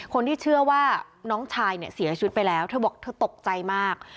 คนที่เชื่อว่าน้องชายเนี่ยเสียชีวิตไปแล้วเธอบอกเธอตกใจมาก